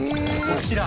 こちら！